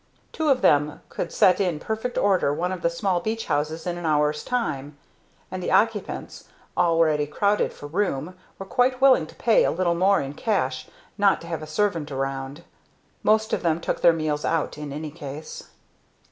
Two of them could set in perfect order one of the small beach cottage in an hour's time; and the occupants, already crowded for room, were quite willing to pay a little more in cash "not to have a servant around." Most of them took their meals out in any case.